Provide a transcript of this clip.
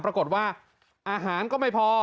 ปรากฏว่าอาหารก็ไม่พอ